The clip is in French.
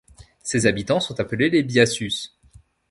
Ses habitants sont appelés les Biassus.